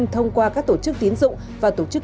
thông qua các tổ chức tiến dụng và tổ chức